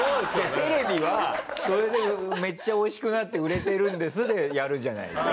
テレビはそれでめっちゃ美味しくなって売れてるんですでやるじゃないですか。